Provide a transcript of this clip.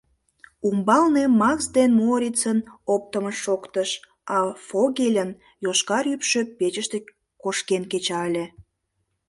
Умбалне Макс ден Моорицын оптымышт шоктыш, а Фогельын йошкар ӱпшӧ печыште кошкен кеча ыле.